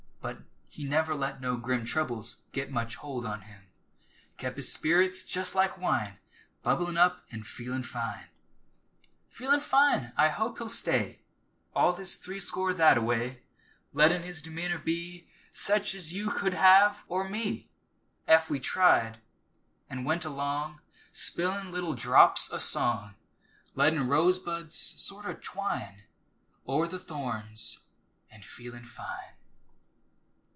But he never let no grim Troubles git much holt on him, Kep' his spirits jest like wine, Bubblin' up an' "feelin' fine!" "Feelin' fine" I hope he'll stay All his three score that a way, Lettin' his demeanor be Sech as you could have or me Ef we tried, an' went along Spillin' little drops o' song, Lettin' rosebuds sort o' twine O'er th' thorns and "feelin' fine."